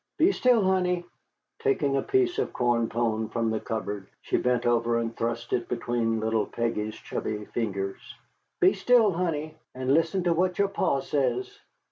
"Be still, honey!" Taking a piece of corn pone from the cupboard, she bent over and thrust it between little Peggy's chubby fingers "Be still, honey, and listen to what your Pa says.